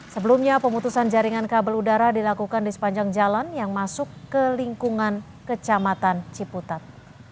sebelumnya pemutusan jaringan kabel udara dilakukan di sepanjang jalan yang masuk ke lingkungan kecamatan ciputat